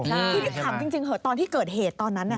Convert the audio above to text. คือที่ถามจริงเหอะตอนที่เกิดเหตุตอนนั้น